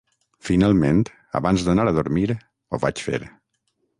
Finalment, abans d'anar a dormir, ho vaig fer.